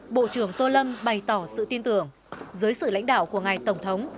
bộ trưởng tô lâm bày tỏ sự tin tưởng dưới sự lãnh đạo của ngài tổng thống